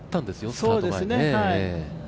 スタート前。